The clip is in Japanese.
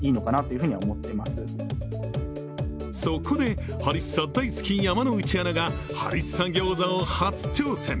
そこで、ハリッサ大好き山内アナがハリッサ餃子を初挑戦。